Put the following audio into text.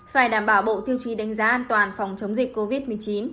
phải đảm bảo bộ tiêu chí đánh giá an toàn phòng chống dịch covid một mươi chín